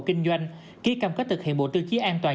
kiểm tra giám sát như thế nào